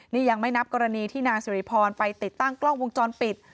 นี่ยังไม่นับกรณีที่นางสุริพรไปติดตั้งกล้องวงจรปิด